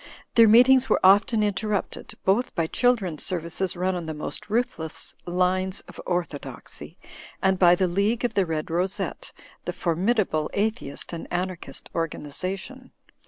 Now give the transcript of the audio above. Their meetings were often interrupted, both by children's services run on the most ruthless lines of orthodoxy and by the League of the Red Rosette, HIGHER CRITICISM AND MR. HIBBS 109 ^e formidable atheist and anarchist organization.